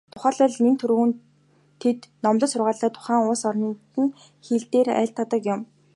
Тухайлбал, нэн тэргүүнд тэд номлол сургаалаа тухайн улс орных нь хэл дээр айлдах юм.